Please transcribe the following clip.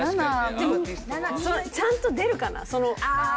でもそれちゃんと出るかな？